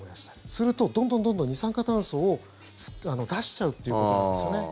すると、どんどんどんどん二酸化炭素を出しちゃうっていうことなんですよね。